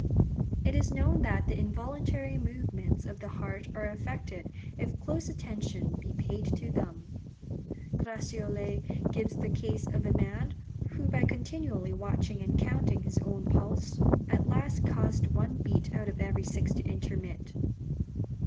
It is known that the involuntary movements of the heart are affected if close attention be paid to them. Gratiolet gives the case of a man, who by continually watching and counting his own pulse, at last caused one beat out of every six to intermit.